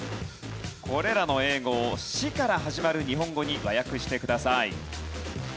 これらの英語を「し」から始まる日本語に和訳してください。